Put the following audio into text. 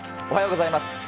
おはようございます。